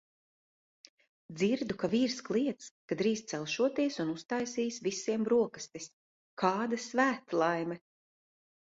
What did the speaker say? Dzirdu, ka vīrs kliedz, ka drīz celšoties un uztaisīs visiem brokastis. Kāda svētlaime!